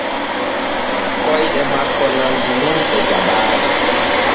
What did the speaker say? Koyɗe makko nandu nun ɗe jabaare.